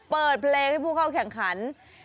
เปิดเพลงให้ผู้เข้าแข่งขัน